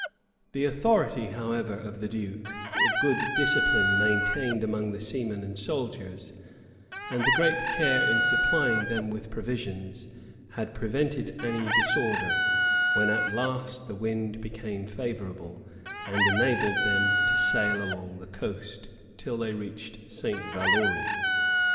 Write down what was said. The authority, however, of the duke, the good discipline maintained among the seamen and soldiers, and the great care in supplying them with provisions, had prevented any disorder, when at last the wind became favorable, and enabled them to sail along the coast, till they reached St. Valori.